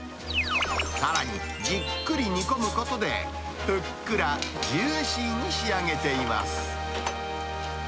さらにじっくり煮込むことで、ふっくらジューシーに仕上げています。